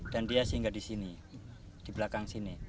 dan dia singgah di sini di belakang sini